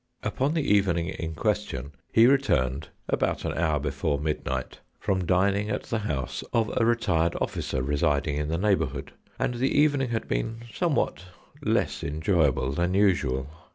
Upon the evening in question he returned, about an hour before midnight, from dining at the house of a retired officer residing in the neighbourhood, and the evening had been some what less enjoyable than usual.